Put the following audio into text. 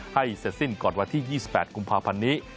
เสร็จสิ้นก่อนวันที่๒๘กุมภาพันธ์นี้